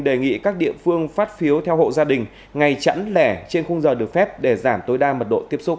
đề nghị các địa phương phát phiếu theo hộ gia đình ngày chẵn lẻ trên khung giờ được phép để giảm tối đa mật độ tiếp xúc